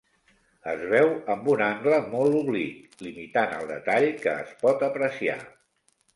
Es veu amb un angle molt oblic, limitant el detall que es pot apreciar.